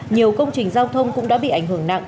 nhiều công trình giao thông cũng đã bị ảnh hưởng nặng